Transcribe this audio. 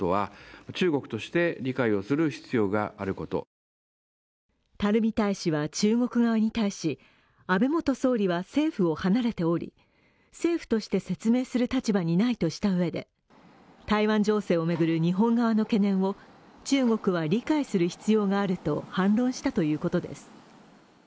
日本政府は垂大使は中国側に対し安倍元総理は政府を離れており、政府として説明する立場にはないとしたうえで台湾情勢を巡る日本側の懸念を中国は理解する必要があると反論したということです。